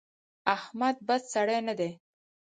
احمد بد سړی نه دی.